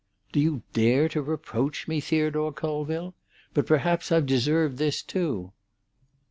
"Do you dare to reproach me, Theodore Colville? But perhaps I've deserved this too."